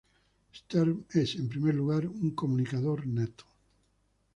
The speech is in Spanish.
Stern es, en primer lugar, un comunicador nato.